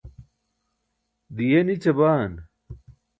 diye nićabaan